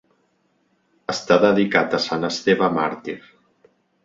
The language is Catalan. Està dedicat a sant Esteve màrtir.